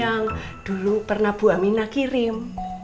yang dulu pernah bu amina kirim